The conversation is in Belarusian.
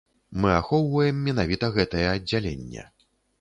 Мы ахоўваем менавіта гэтае аддзяленне.